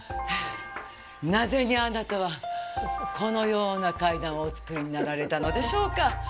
なぜにあなたは、このような階段をおつくりになられたのでしょうか。